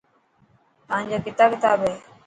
تانجا ڪتا ڪتاب هي.